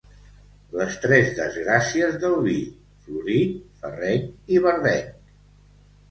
Les tres desgràcies del vi: florit, ferreny i verdenc.